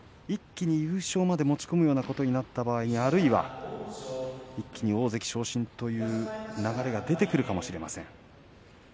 一気に優勝まで持ち込むようなことになった場合に一気に大関昇進という流れが出てくるかもしれません。